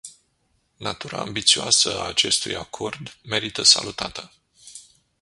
Natura ambițioasă a acestui acord merită salutată.